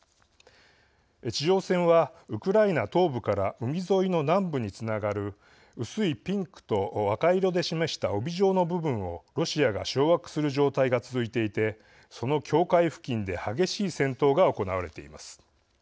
地上戦は、ウクライナ東部から海沿いの南部につながる薄いピンクと赤色で示した帯状の部分をロシアが掌握する状態が続いていて、その境界付近で激しい戦闘が行われています。